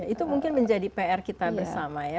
itu mungkin menjadi pr kita bersama ya